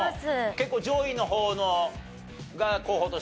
結構上位の方が候補として浮かんでる？